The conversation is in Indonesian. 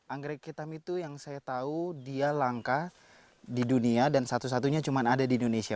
anggrek hitam itu yang saya tahu dia langka di dunia dan satu satunya cuma ada di indonesia